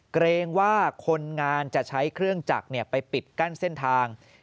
เกรงว่าคนงานจะใช้เครื่องจักรไปปิดกั้นเส้นทาง